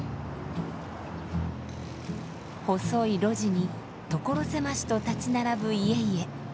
細い路地に所狭しと立ち並ぶ家々。